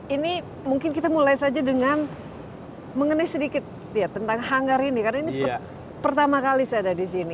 ini mungkin kita mulai saja dengan mengenai sedikit tentang hanggar ini karena ini pertama kali saya ada di sini